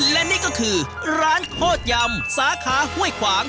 และนี่ก็คือร้านโคตรยำสาขาห้วยขวาง